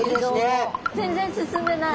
全然進んでない。